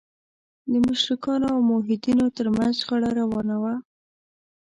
د مشرکانو او موحدینو تر منځ شخړه روانه وه.